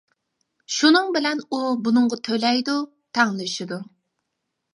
شۇنىڭ بىلەن ئۇ بۇنىڭغا تۆلەيدۇ تەڭلىشىدۇ.